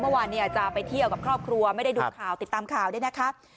เมื่อวานเนี่ยจะไปเที่ยวกับครอบครัวไม่ได้ดูข่าวติดตามข่าวด้วยนะคะ